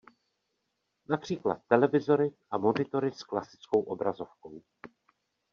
Například televizory a monitory s klasickou obrazovkou.